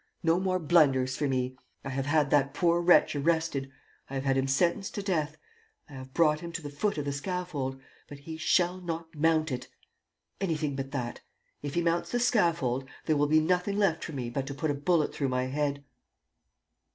No more blunders for me! I have had that poor wretch arrested. ... I have had him sentenced to death. ... I have brought him to the foot of the scaffold ... but he shall not mount it! ... Anything but that! If he mounts the scaffold, there will be nothing left for me but to put a bullet through my head."